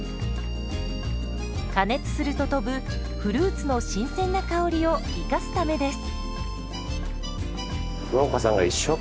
加熱すると飛ぶフルーツの新鮮な香りを生かすためです。